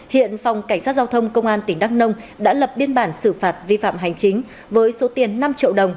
hiện phòng cảnh sát giao thông công an tỉnh đắk nông đã lập biên bản xử phạt vi phạm hành chính với số tiền năm triệu đồng